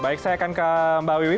baik saya akan ke mbak wiwi